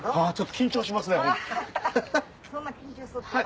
あちょっと緊張しますね。